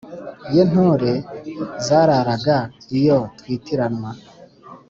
ye ntore zararaga iyo twitiranwa,